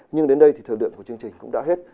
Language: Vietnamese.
nhưng đến đây thì thời lượng của chương trình cũng đã hết